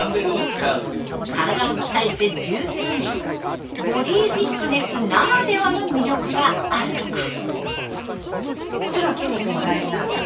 体を鍛えて十数年ボディフィットネスならではの魅力があるとか。